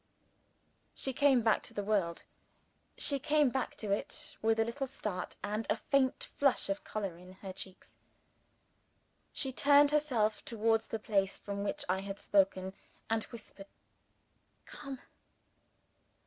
She came back to the world she came back to us with a little start, and a faint flush of color in her cheeks. She turned herself towards the place from which I had spoken, and whispered "Come!"